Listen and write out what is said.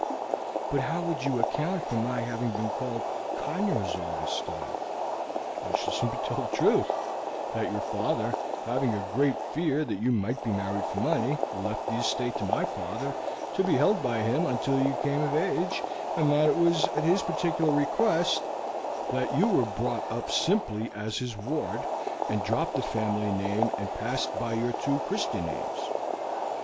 "But how would you account for my having been called Conyers all this time?" "I should simply tell the truth; that your father, having a great fear that you might be married for money, left the estate to my father, to be held by him until you came of age, and that it was at his particular request that you were brought up simply as his ward, and dropped the family name and passed by your two Christian names.